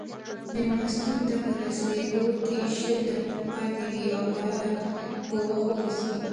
مېلمستون ته په رسېدو کې شل دقیقې پاتې دي او باید په وخت ورسېږو.